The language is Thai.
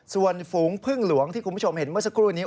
ส่วนฝูงพึ่งหลวงที่คุณผู้ชมเห็นเมื่อสักครู่นี้